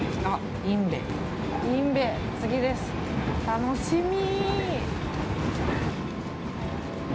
楽しみ！